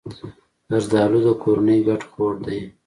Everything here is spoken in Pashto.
زردالو د کورنۍ ګډ خوړ دی.